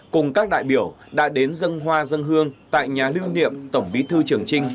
cùng các đại biểu đã đến dân hoa dân hương tại nhà lưu niệm tổng bí thư trường trinh